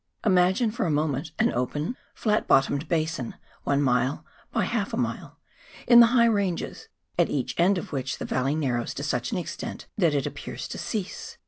Imagine for a moment an open flat bottomed basin (one mile by half a mile) in the high ranges, at each end of which the valley narrows to such an extent that it appears to cease.